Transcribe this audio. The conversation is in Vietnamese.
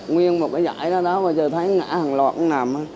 nguyên một cái dải đó và trời thấy ngã hàng loạt cũng nằm